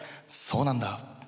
「そうなんだ」